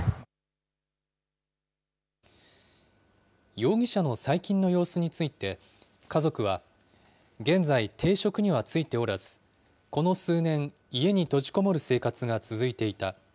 容疑者の最近の様子について、家族は、現在、定職には就いておらず、この数年、家に閉じこもる生活が続いていた。